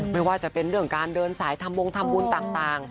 ไม่ว่าจะเป็นเรื่องการเดินสายทำวงทำบุญต่าง